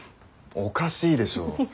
おかしいでしょう。